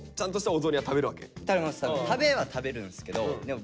食べは食べるんですけど。